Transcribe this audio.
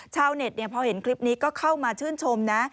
ชาวเน็ตพอเห็นคลิปนี้ก็เข้ามาชื่นชมนะ